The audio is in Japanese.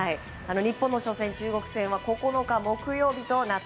日本の初戦中国戦は９日木曜日です。